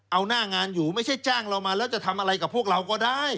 เอาหน้างานอยู่ไม่ใช่จ้างเรามาแล้วจะทำอะไรกับพวกเราก็ได้